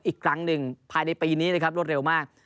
อีกครั้งหนึ่งภายในปีนี้นะครับรวดเร็วมาก